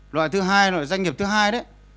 loại thứ hai loại doanh nghiệp thứ hai đấy